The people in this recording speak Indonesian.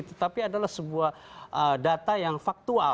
tetapi adalah sebuah data yang faktual